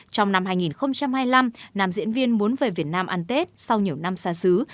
trong năm hai nghìn hai mươi năm nam diễn viên muốn về việt nam ăn tết sau nhiều năm xa xứ